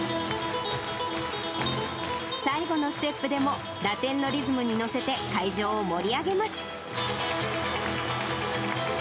最後のステップでも、ラテンのリズムに乗せて会場を盛り上げます。